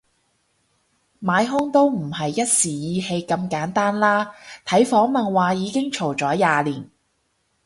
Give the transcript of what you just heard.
買兇都唔係一時意氣咁簡單啦，睇訪問話已經嘈咗廿年